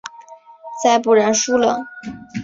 再不然输了？